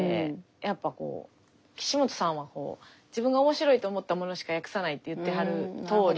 やっぱこう岸本さんは自分が面白いと思ったものしか訳さないって言ってはるとおり。